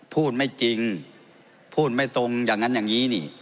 พูดไม่จริงพูดไม่ตรงอย่างนั้นอย่างนี้นี่